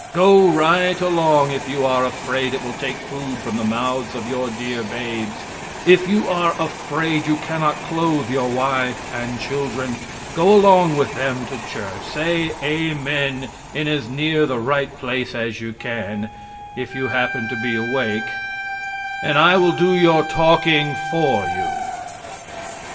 Go right along, if you are afraid it will take food from the mouths of your dear babes if you are afraid you cannot clothe your wife and children, go along with them to church, say amen in as near the right place as you can, if you happen to be awake, and I will do your talking for you.